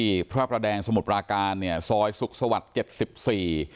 ที่พระประแดงสมุดประการซอยศึกษวัสไม่๑๔